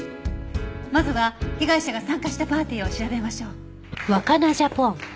まずは被害者が参加したパーティーを調べましょう。